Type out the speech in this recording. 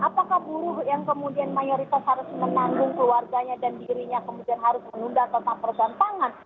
apakah buruh yang kemudian mayoritas harus menandung keluarganya dan dirinya kemudian harus menunda tetap persantangan